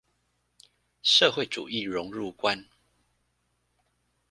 社會主義榮辱觀